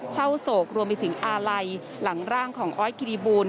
โศกรวมไปถึงอาลัยหลังร่างของออสกิริบูล